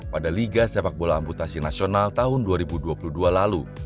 pada liga sepak bola amputasi nasional tahun dua ribu dua puluh dua lalu